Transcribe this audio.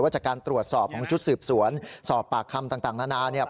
ว่าจะการตรวจสอบจุดสืบสวนสอบปากคำต่างนานา